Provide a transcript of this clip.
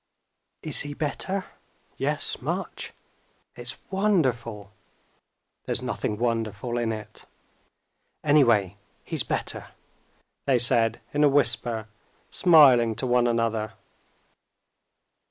"Is he better?" "Yes, much." "It's wonderful." "There's nothing wonderful in it." "Anyway, he's better," they said in a whisper, smiling to one another.